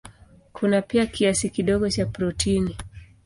Kuna pia kiasi kidogo cha protini.